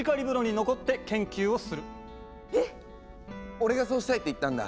俺がそうしたいって言ったんだ。